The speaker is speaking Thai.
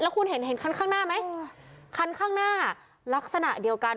แล้วคุณเห็นขั้นข้างหน้าไหมขั้นข้างหน้าลักษณะเดียวกัน